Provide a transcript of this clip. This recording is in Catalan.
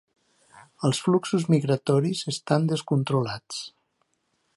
Els fluxos migratoris estan descontrolats